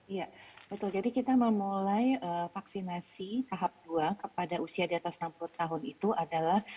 iya betul jadi kita memulai vaksinasi tahap dua kepada usia di atas enam puluh tahun itu adalah